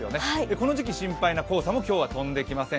この時期心配な黄砂も今日は飛んできません。